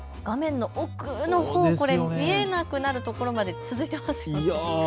奥のほう見えなくなるところまで続いていますよね。